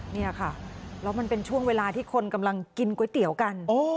นี่ค่ะแล้วมันเป็นช่วงเวลาที่คนกำลังกินก๋วยเตี๋ยวกัน